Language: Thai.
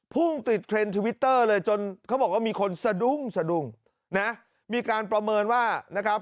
พุ่งติดเทรนด์ทวิตเตอร์เลยจนเขาบอกว่ามีคนสะดุ้งสะดุ้งนะมีการประเมินว่านะครับ